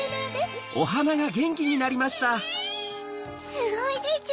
すごいでちゅ！